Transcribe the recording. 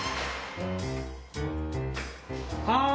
ああ！